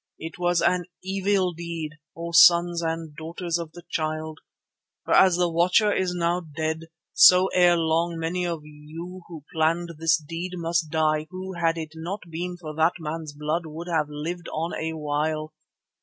It was an evil deed, O sons and daughters of the Child, for as the Watcher is now dead, so ere long many of you who planned this deed must die who, had it not been for that man's blood, would have lived on a while.